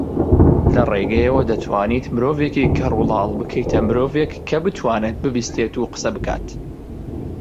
لەرێگەیەوە دەتوانین مرۆڤێکی کەڕولاڵ بکەیتە مرۆڤێک کە بتوانێت ببیستێت و قسە بکات